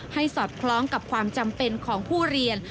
สอดคล้องกับความจำเป็นของผู้เรียน